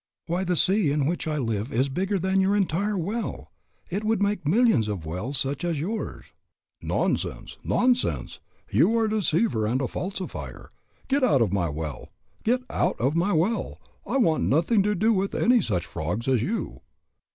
"Why, the sea in which I live is bigger than your entire well; it would make millions of wells such as yours." "Nonsense, nonsense; you are a deceiver and a falsifier. Get out of my well. Get out of my well. I want nothing to do with any such frogs as you."